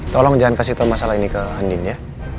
tolong jangan kasih tahu masalah ini ke andin ya